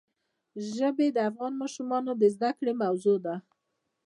ژبې د افغان ماشومانو د زده کړې موضوع ده.